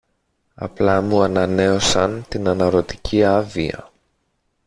Απλά μου ανανέωσαν την αναρρωτική άδεια